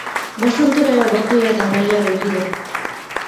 বসন্ত রায় অবাক হইয়া দাঁড়াইয়া রহিলেন।